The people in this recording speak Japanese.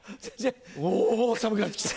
お寒くなってきた。